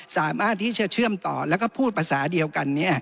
สามารถที่จะเชื่อมต่อแล้วก็พูดภาษาเดียวกัน